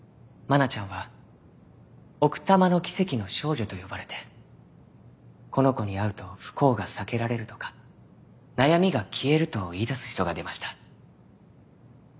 愛菜ちゃんは奥多摩の奇跡の少女と呼ばれてこの子に会うと不幸が避けられるとか悩みが消えると言いだす人が出ました。